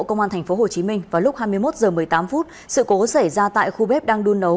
công an tp hcm vào lúc hai mươi một h một mươi tám sự cố xảy ra tại khu bếp đang đun nấu